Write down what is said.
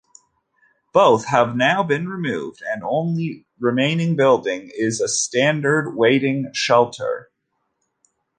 Both have now been removed and only remaining building is a standard waiting shelter.